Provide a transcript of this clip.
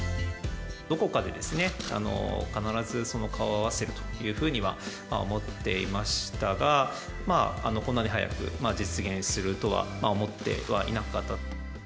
どこかで必ずその顔を合わせるというふうには思ってはいましたが、こんなに早く実現するとは思ってはいなかった。